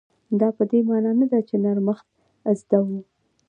دا په دې مانا نه ده چې نرمښت زده و.